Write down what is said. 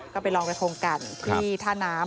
ก็ไปลองไปชมกันที่ท่าน้ำ